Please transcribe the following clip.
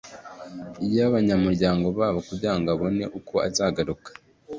y abanyamuryango babo kugirango abone uko azagaruka